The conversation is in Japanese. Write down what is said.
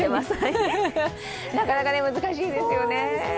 なかなか難しいですよね。